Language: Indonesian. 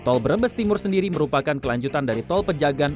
tol brebes timur sendiri merupakan kelanjutan dari tol pejagan